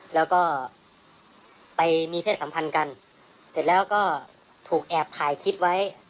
แล้วก็ไปมีเพศสัมพันธ์กันเสร็จแล้วก็ถูกแอบถ่ายคลิปไว้